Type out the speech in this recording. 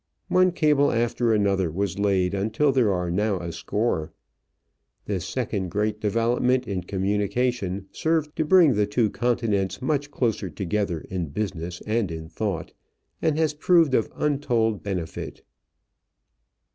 One cable after another was laid until there are now a score. This second great development in communication served to bring the two continents much closer together in business and in thought and has proved of untold benefit.